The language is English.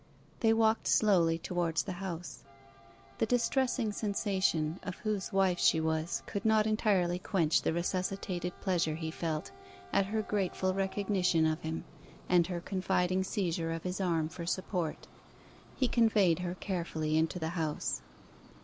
They walked slowly towards the house. The distressing sensation of whose wife she was could not entirely quench the resuscitated pleasure he felt at her grateful recognition of him, and her confiding seizure of his arm for support. He conveyed her carefully into the house.